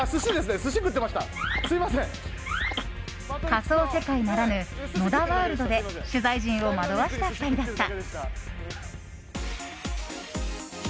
仮想世界ならぬ野田ワールドで取材陣を惑わした２人だった。